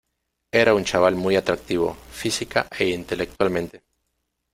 Era un chaval muy atractivo, física e intelectualmente.